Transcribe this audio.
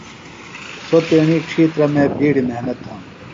سوۡ تیݨی ڇِھیترہ مے بیڈیۡ محنت تھانوۡ۔